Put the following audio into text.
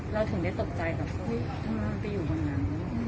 เราถึงได้ตกใจกับคนที่อยู่บนนั้น